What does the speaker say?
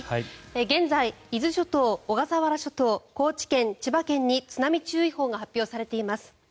現在、伊豆諸島小笠原諸島、高知県、千葉県に津波注意報が発表されています。